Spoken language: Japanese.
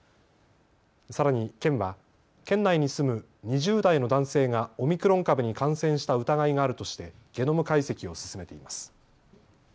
さらに県は県内に住む２０代の男性がオミクロン株に感染した疑いがあるとしてゲノム解析を進めています。